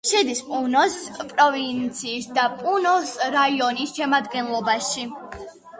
შედის პუნოს პროვინციის და პუნოს რაიონის შემადგენლობაში.